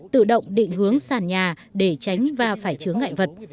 tự động định hướng sàn nhà để tránh va phải chứa ngại vật